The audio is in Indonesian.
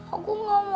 aku gak mau